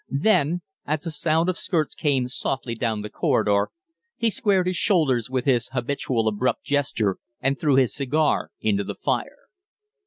Then, as a sound of skirts came softly down the corridor, he squared his shoulders with his habitual abrupt gesture and threw his cigar into the fire.